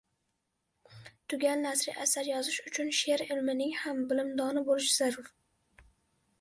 Tugal nasriy asar yozish uchun she’r ilmining ham bilimdoni bo‘lish zarur.